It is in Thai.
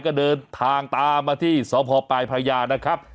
ก็เดินทางตามมาที่สพปลายพระยานะครับ